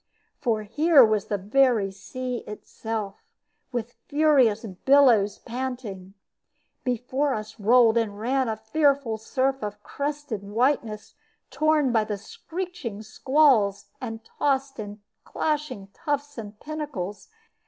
For here was the very sea itself, with furious billows panting. Before us rolled and ran a fearful surf of crested whiteness, torn by the screeching squalls, and tossed in clashing tufts and pinnacles.